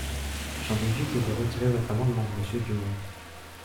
J’en déduis que vous retirez votre amendement, monsieur Dumont.